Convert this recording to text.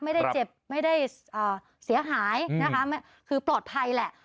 ไม่ได้เจ็บไม่ได้เสียหายนะคะคือปลอดภัยแหละ